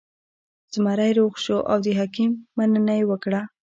زمری روغ شو او د حکیم مننه یې وکړه.